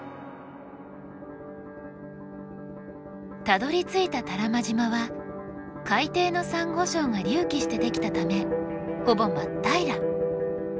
たどりついた多良間島は海底のサンゴ礁が隆起して出来たためほぼ真っ平ら。